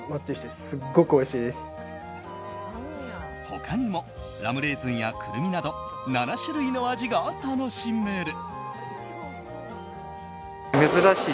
他にもラムレーズンやクルミなど７種類の味が楽しめる。